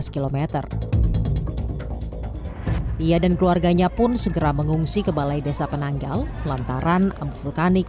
lima belas km ia dan keluarganya pun segera mengungsi ke balai desa penanggal lantaran abu vulkanik